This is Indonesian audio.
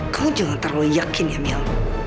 kau jangan terlalu yakin ya mil